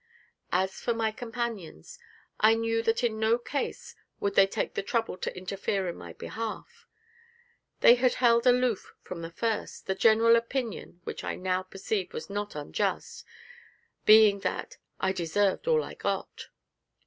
As for my companions, I knew that in no case would they take the trouble to interfere in my behalf; they had held aloof from the first, the general opinion (which I now perceive was not unjust) being that 'I deserved all I got.'